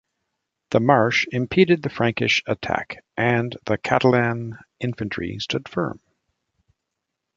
The marsh impeded the Frankish attack and the Catalan infantry stood firm.